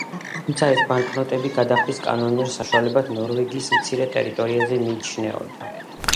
თუმცა ეს ბანკნოტები გადახდის კანონიერ საშუალებად ნორვეგიის მცირე ტერიტორიაზე მიიჩნეოდა.